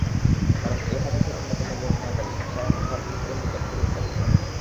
কারণ এ হাদীসের অন্যতম বর্ণনাকারী হুসায়ন মুহাদ্দিসদের নিকট পরিত্যক্ত।